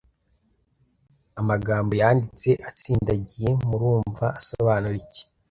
Amagambo yanditse atsindagiye murumva asobanura iki?